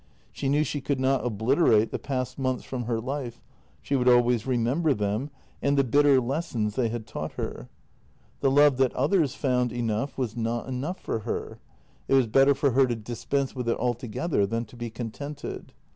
She knew she could not obiterate the past months from her life; she would always remember them and the bitter lessons they had taught her. 2l6 JENNY The love that others found enough was not enough for her — it was better for her to dispense with it altogether than to be con tented.